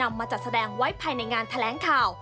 มาจัดแสดงไว้ภายในงานแถลงข่าว